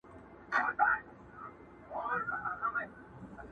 خیراتونه اورېدل پر بې وزلانو.!